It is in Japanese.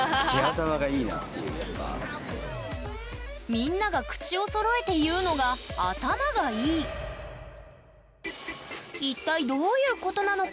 みんなが口をそろえて言うのが一体どういうことなのか。